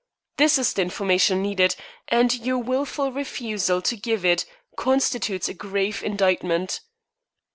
This is the information needed, and your wilful refusal to give it constitutes a grave indictment."